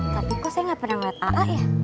tapi kok saya gak pernah melihat aa ya